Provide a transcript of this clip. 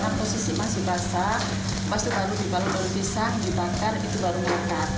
karena posisi masih basah pas itu baru dibakar daun pisang dibakar itu baru mengangkat